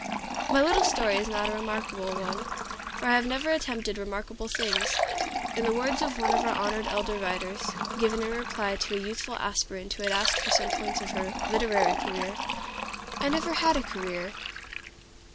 My little story is not a remarkable one, for I have never attempted remarkable things. In the words of one of our honored elder writers, given in reply to a youthful aspirant who had asked for some points of her "literary career," "I never had a career."